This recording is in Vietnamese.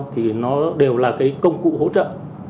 thì nó đều là công cụ hỗ trợ